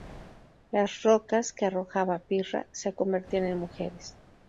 Las rocas que arrojaba Pirra se convertían en mujeres.